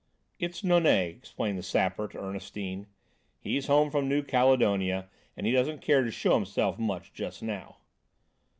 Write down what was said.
"It's Nonet," explained the Sapper to Ernestine. "He's home from New Caledonia, and he doesn't care to show himself much just now."